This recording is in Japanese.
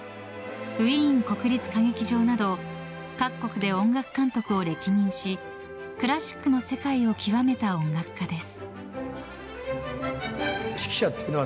ウィーン国立歌劇場など各国で音楽監督を歴任しクラシックの世界を極めた音楽家です。